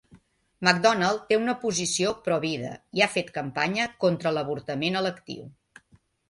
McDonnell té una posició provida i ha fet campanya contra l'avortament electiu.